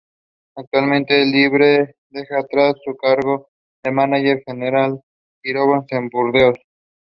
Her books describe physical symptoms and offered herbal remedies for treating gynaecological ailments.